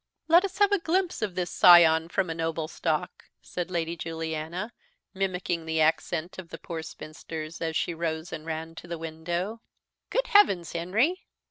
"Let us have a glimpse of this scion from a noble stock," said Lady Juliana, mimicking the accent of the poor spinsters, as she rose and ran to the window. "Good heavens, Henry!